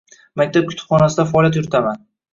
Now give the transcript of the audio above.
Maktab kutubxonasida faoliyat yuritaman.